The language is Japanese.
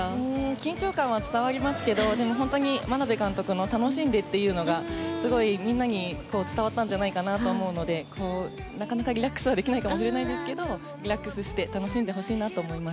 緊張感は伝わりますが眞鍋監督の楽しんでっていうのがすごいみんなに伝わったんじゃないかなと思うのでなかなかリラックスはできないかもしれないですがリラックスして楽しいでほしいなと思います。